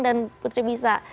tapi putri bisa